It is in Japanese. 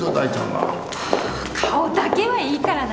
はあ顔だけはいいからな。